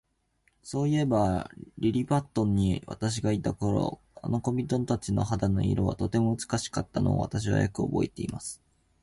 そういえば、リリパットに私がいた頃、あの小人たちの肌の色は、とても美しかったのを、私はよくおぼえています。